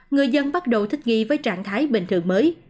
người dân bắt đầu thích nghi với trạng thái bình thường mới